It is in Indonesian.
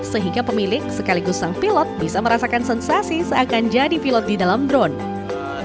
sehingga pemilik sekaligus sang pilot bisa merasakan sensasi seakan jadi pilot di dalam drone